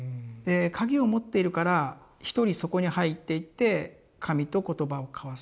鍵を持っているから一人そこに入っていって神と言葉を交わすと。